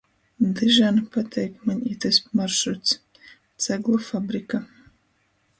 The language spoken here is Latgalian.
Dyžan pateik maņ itys maršruts! Ceglu fabrika.